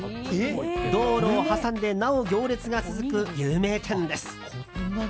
道路を挟んでなお行列が続く有名店です。